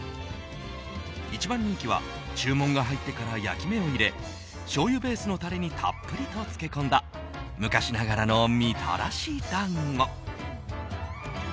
一番人気は注文が入ってから焼き目を入れしょうゆベースのタレにたっぷりと漬け込んだ昔ながらのみたらし団子。